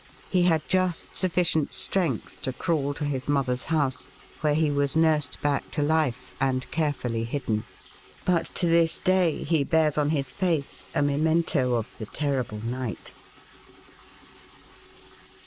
He had just sufficient strength to crawl to his mother's house, where he was nursed back to life and carefully hidden. But to this day he bears on his face a memento of the terrible night.